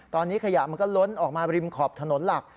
ตอนนี้ขยะมันก็ล้นออกมาริมขอบถนนหลัก